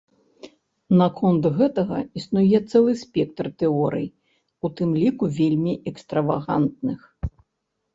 Наконт гэтага існуе цэлы спектр тэорый, у тым ліку вельмі экстравагантных.